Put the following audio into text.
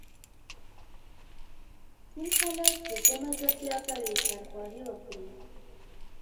کوم خلک د ده ملګرتیا کوي خیرخواهي وکړي.